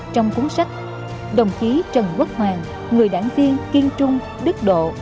trong cuốn sách đồng chí trần quốc hoàng người đảng viên kiên trung đức độ